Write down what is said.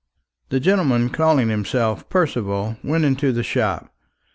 The gentleman calling himself Percival went into the shop.